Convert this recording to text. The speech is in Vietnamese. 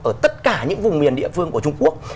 ở tất cả những vùng miền địa phương của trung quốc